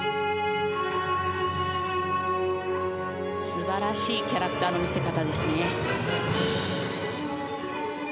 素晴らしいキャラクターの見せ方ですね。